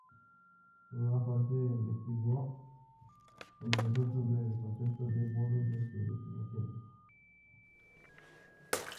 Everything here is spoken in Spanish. Por una parte investigó y polemizó sobre el concepto de modo de producción asiático.